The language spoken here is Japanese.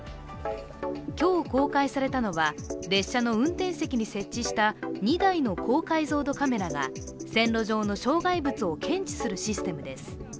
今日公開されたのは、列車の運転席に設置した２台の高解像度カメラが線路上の障害物を検知するシステムです。